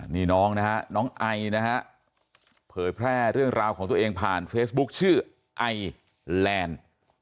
นี่น้องนะฮะน้องไอนะฮะเผยแพร่เรื่องราวของตัวเองผ่านเฟซบุ๊คชื่อไอแลนด์